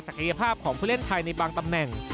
ยภาพของผู้เล่นไทยในบางตำแหน่ง